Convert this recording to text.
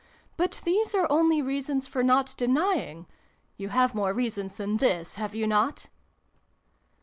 " But these are only reasons for not denying. You have more reasons than this, have you not